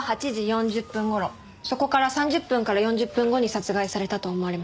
そこから３０分から４０分後に殺害されたと思われます。